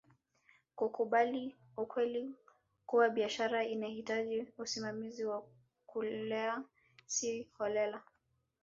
kukubali ukweli kuwa biashara inahitaji usimamizi wa kulea si holela